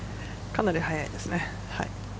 かなり速いですね。